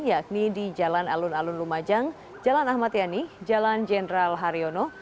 yakni di jalan alun alun lumajang jalan ahmad yani jalan jenderal haryono